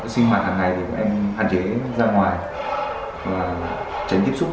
sinh hoạt hàng ngày thì bọn em hạn chế ra ngoài và tránh tiếp xúc